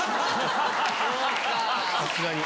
さすがに。